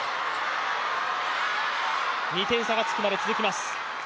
２点差がつくまで続きます。